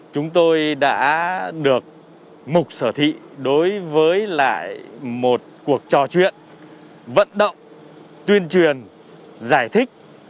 chúng tôi đã được mục sở thị đối với lại một cuộc trò chuyện vận động tuyên truyền giải thích